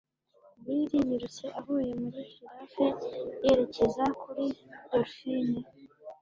Bill yirutse avuye muri giraffe yerekeza kuri dolphine.